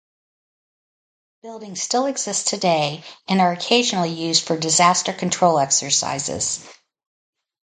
The buildings still exist today and are occasionally used for disaster control exercises.